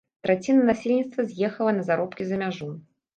Траціна насельніцтва з'ехала на заробкі за мяжу.